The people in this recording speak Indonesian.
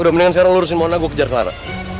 udah mendingan sekarang lu urusin mona gue kejar clara